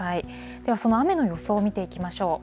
では、その雨の予想を見ていきましょう。